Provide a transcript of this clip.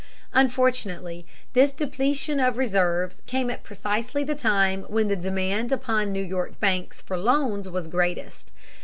Unfortunately, this depletion of reserves came at precisely the time when the demand upon New York banks for loans was greatest.